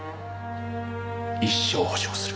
一生保証する。